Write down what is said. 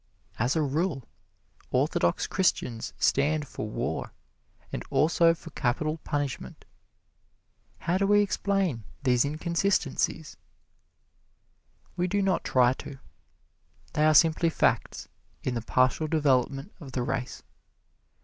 As a rule, Orthodox Christians stand for war, and also for capital punishment. How do we explain these inconsistencies? We do not try to: they are simply facts in the partial development of the race.